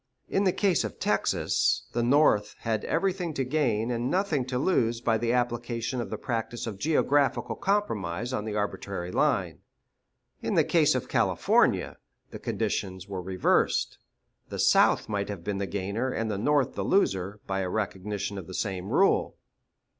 In the case of Texas, the North had everything to gain and nothing to lose by the application of the practice of geographical compromise on an arbitrary line. In the case of California, the conditions were reversed; the South might have been the gainer and the North the loser by a recognition of the same rule.